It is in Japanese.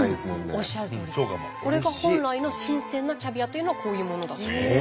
おっしゃるとおりこれが本来の新鮮なキャビアというのはこういうものだそうです。